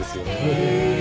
へえ！